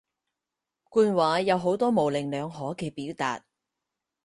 官話有好多模棱兩可嘅表達